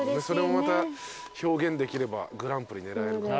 それもまた表現できればグランプリ狙える。